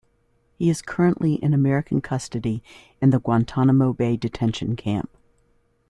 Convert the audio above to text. He is currently in American custody in the Guantanamo Bay detention camp.